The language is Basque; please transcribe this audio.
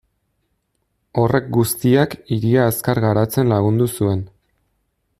Horrek guztiak hiria azkar garatzen lagundu zuen.